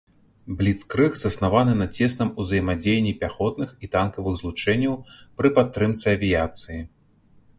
Бліцкрыг заснаваны на цесным узаемадзеянні пяхотных і танкавых злучэнняў пры падтрымцы авіяцыі.